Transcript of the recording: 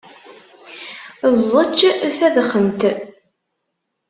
Ẓečč tadxent!